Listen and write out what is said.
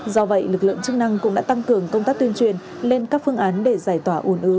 do vậy lực lượng chức năng cũng đã tăng cường công tác tuyên truyền lên các phương án để giải tỏa ồn ứ